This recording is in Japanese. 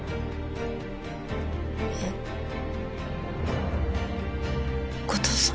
えっ後藤さん？